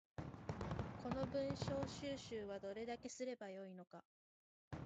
この文章収集はどれだけすれば良いのか